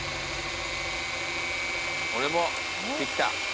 俺もできた。